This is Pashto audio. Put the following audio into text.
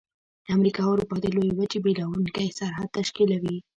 د امریکا او اروپا د لویې وچې بیلونکی سرحد تشکیلوي.